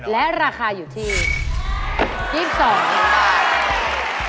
และราคาอยู่ที่๒๒บาท